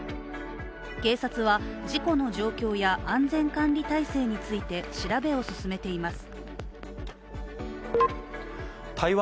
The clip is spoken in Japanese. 警察は事故の状況や安全管理体制について調べを進めています。